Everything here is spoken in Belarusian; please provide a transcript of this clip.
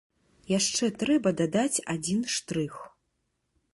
Яшчэ трэба дадаць адзін штрых.